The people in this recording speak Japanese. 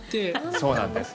そうなんです。